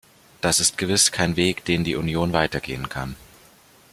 Das ist gewiss kein Weg, den die Union weiter gehen kann.